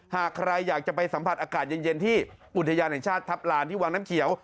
หากใครอยากจะไปสัมผัสอากาศเย็นที่อุทยานแห่งชาติทัพลานที่วังน้ำเขียว